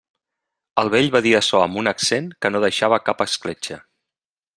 El vell va dir açò amb un accent que no deixava cap escletxa.